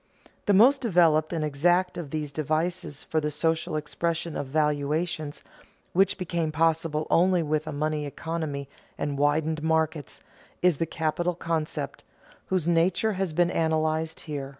The most developed and exact of these devices for the social expression of valuations, which became possible only with a money economy and widened markets, is the capital concept, whose nature has been analyzed here.